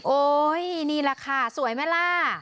โอ๊ยนี่แหละค่ะสวยไหมล่ะ